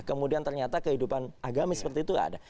kemudian ternyata kehidupan agamis seperti itu ada